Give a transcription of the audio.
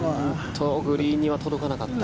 グリーンには届かなかった。